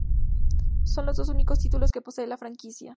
Son los dos únicos títulos que posee la franquicia.